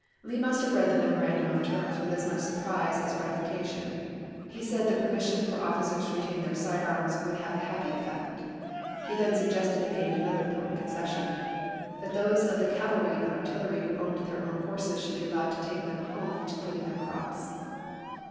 Lee must have read the memorandum of terms with as much surprise as gratification. He said the permission for officers to retain their side arms would have a happy effect. He then suggested and gained another important concession — that those of the cavalry and artillery who owned their own horses should be allowed to take them home to put in their crops.